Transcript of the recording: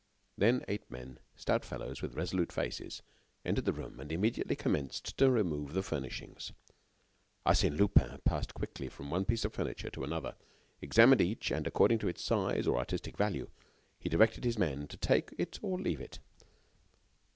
Then eight men, stout fellows with resolute faces, entered the room, and immediately commenced to remove the furnishings. Arsène Lupin passed quickly from one piece of furniture to another, examined each, and, according to its size or artistic value, he directed his men to take it or leave it.